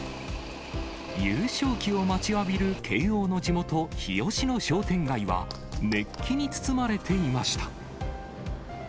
優勝旗を待ちわびる慶応の地元、日吉の商店街は、熱気に包まれていました。